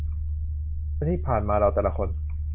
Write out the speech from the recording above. และที่ผ่านมาเราแต่ละคน